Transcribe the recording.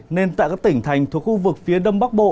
nên tại các tỉnh thành thuộc khu vực phía đông bắc bộ